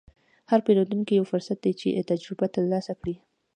هر پیرودونکی یو فرصت دی چې تجربه ترلاسه کړې.